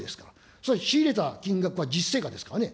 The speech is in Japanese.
それは仕入れた金額は実勢価ですからね。